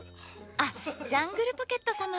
あっジャングルポケット様。